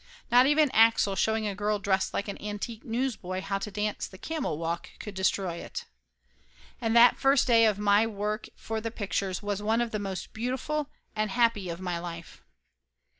Not even Axel showing a girl dressed like a antique newsboy how to dance the camelwalk could destroy it. And that first day of my work for the pictures was one of the most beautiful and happy of my life.